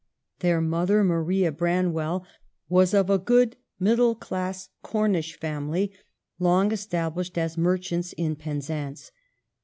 Their mother, Maria Branwell, was of a good middle class Cornish family, long established as merchants in Penzance.